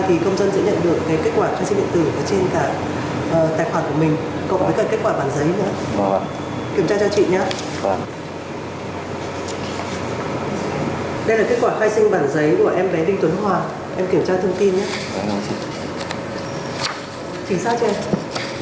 thì công dân sẽ nhận được kết quả khai sinh điện tử